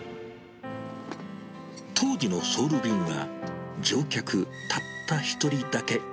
当時のソウル便は乗客たった１人だけ。